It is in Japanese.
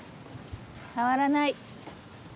変わらない。